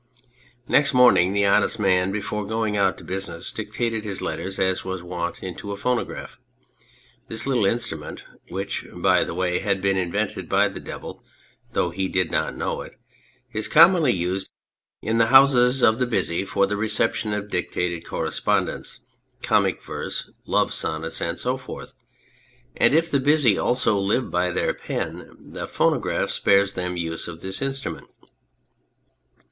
Next morning the Honest Man, before going out to business, dictated his letters as was his wont into a phonograph ; this little instrument (which, by the way, had been invented by the Devil though he did not know it) is commonly used in the houses of the busy for the reception of dictated correspondence, comic verse, love sonnets, and so forth ; and if the busy also live by their pen, the phonograph spares them the use of this instrument.